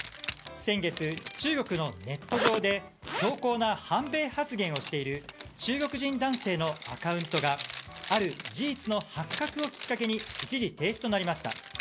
先月、中国のネット上で強硬な反米発言をしている中国人男性のアカウントがある事実の発覚をきっかけに一時停止となりました。